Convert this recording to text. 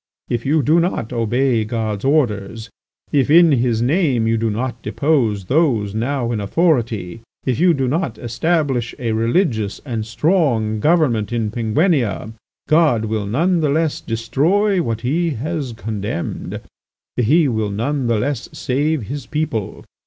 If you do not obey God's orders, if in His name you do not depose those now in authority, if you do not establish a religious and strong government in Penguinia, God will none the less destroy what He has condemned, He will none the less save His people.